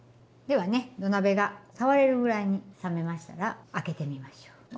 ではね土鍋が触れるぐらいに冷めましたら開けてみましょう。